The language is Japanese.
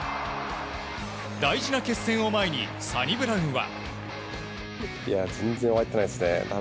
大事な決戦を前にサニブラウンは。